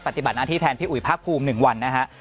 ปฏิบัติหน้าที่แทนพี่อุ๋ยภาคภูมิ๑วันนะฮะ